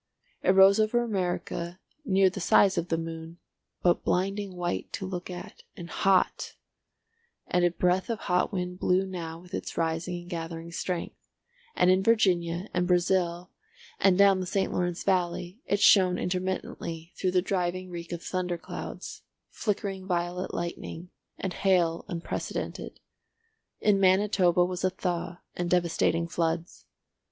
It rose over America near the size of the moon, but blinding white to look at, and hot; and a breath of hot wind blew now with its rising and gathering strength, and in Virginia, and Brazil, and down the St. Lawrence valley, it shone intermittently through a driving reek of thunder clouds, flickering violet lightning, and hail unprecedented. In Manitoba was a thaw and devastating floods.